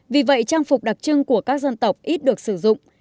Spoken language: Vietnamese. vì vậy trang phục đặc trưng của các dân tộc ít được sử dụng